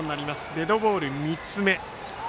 デッドボール、３つ目。